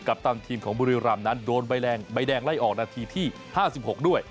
กับท่านทีมของบุรีรัมป์นั้นโดนใบแรงใบแดงไล่ออกรวมนาทีที่๕๖ด้วย